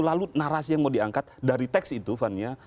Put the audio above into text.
lalu narasi yang mau diangkat dari teks itu fania